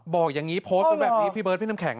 บอกอย่างนี้โพสต์ไว้แบบนี้พี่เบิร์ดพี่น้ำแข็ง